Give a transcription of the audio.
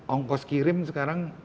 ongkos kirim sekarang